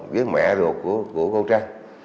với mẹ ruột của cô trăng